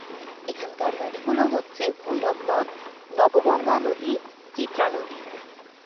এখানকার নদীগুলো হচ্ছে ভৈরব নদ, নবগঙ্গা নদী, চিত্রা নদী।